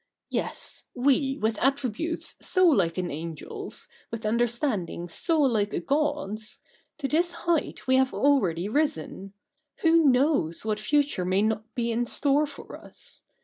Yes —we, with attributes so like an angel's, with under standing so like a God's — to this height we have already risen. Who knows what future may not be in store for us